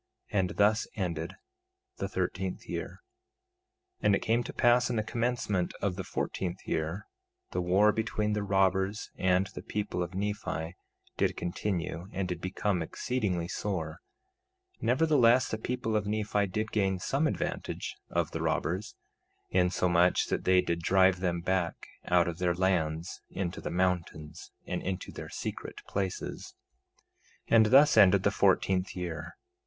And thus ended the thirteenth year. 2:17 And it came to pass in the commencement of the fourteenth year, the war between the robbers and the people of Nephi did continue and did become exceedingly sore; nevertheless, the people of Nephi did gain some advantage of the robbers, insomuch that they did drive them back out of their lands into the mountains and into their secret places. 2:18 And thus ended the fourteenth year.